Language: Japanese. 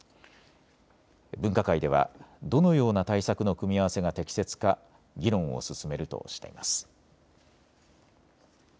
分科会ではどのような対策の組み合わせが適切か議論を進めるとしています。